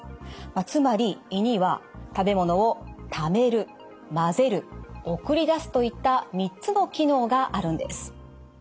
つまり胃には食べ物をためる混ぜる送り出すといった３つの機能があるんです。